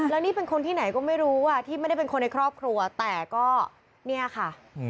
แล้วนี่เป็นคนที่ไหนก็ไม่รู้อ่ะที่ไม่ได้เป็นคนในครอบครัวแต่ก็เนี่ยค่ะ